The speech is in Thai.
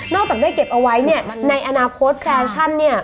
จากได้เก็บเอาไว้เนี่ยในอนาคตแฟชั่นเนี่ย